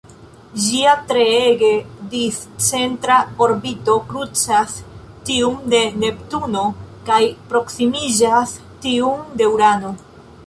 Ĝia treege discentra orbito krucas tiun de Neptuno kaj proksimiĝas tiun de Urano.